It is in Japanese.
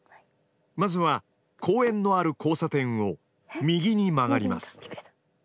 まずは公園のある交差点を右に曲がります。